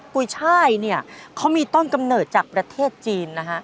ช่ายเนี่ยเขามีต้นกำเนิดจากประเทศจีนนะฮะ